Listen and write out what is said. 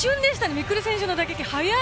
未来選手の打撃、速い！